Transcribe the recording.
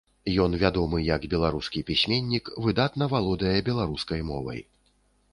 Ён вядомы як беларускі пісьменнік, выдатна валодае беларускай мовай.